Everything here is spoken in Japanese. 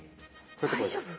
大丈夫？